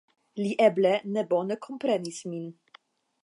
Li eble ne bone komprenis min.